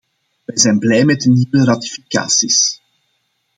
We zijn blij met de nieuwe ratificaties.